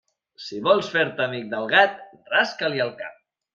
Si vols fer-te amic del gat, rasca-li el cap.